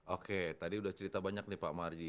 oke tadi udah cerita banyak nih pak marji